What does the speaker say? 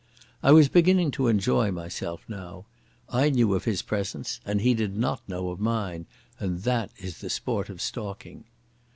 I was beginning to enjoy myself now. I knew of his presence and he did not know of mine, and that is the sport of stalking.